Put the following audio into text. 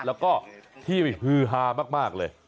แล้วก็ที่ฮือฮามากเลย